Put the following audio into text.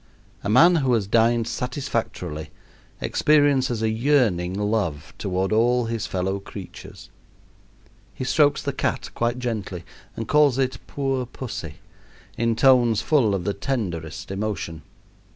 A man who has dined satisfactorily experiences a yearning love toward all his fellow creatures. He strokes the cat quite gently and calls it "poor pussy," in tones full of the tenderest emotion.